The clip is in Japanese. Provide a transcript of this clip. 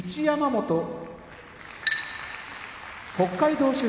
山本北海道